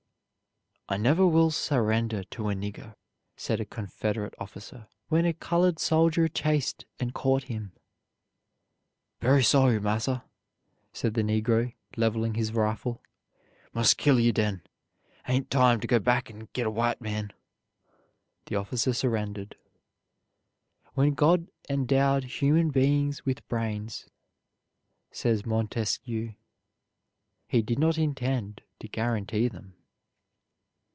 "I never will surrender to a nigger," said a Confederate officer, when a colored soldier chased and caught him. "Berry sorry, massa," said the negro, leveling his rifle; "must kill you den; hain't time to go back and git a white man." The officer surrendered. "When God endowed human beings with brains," says Montesquieu, "he did not intend to guarantee them."